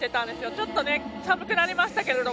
ちょっと寒くなりましたけど。